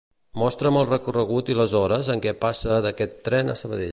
Mostra'm el recorregut i les hores en què passa d'aquest tren a Sabadell.